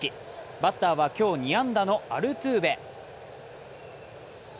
バッターは今日２安打のアルトゥーベ。